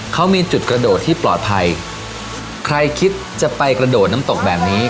เขามีจุดกระโดดที่ปลอดภัยใครคิดจะไปกระโดดน้ำตกแบบนี้